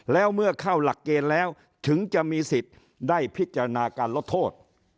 แล้วเมื่อเข้าหลักเกณฑ์แล้วถึงจะมีสิทธิ์ได้พิจารณาการลดโทษ